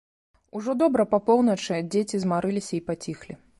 Ужо добра па поўначы дзеці змарыліся і паціхлі.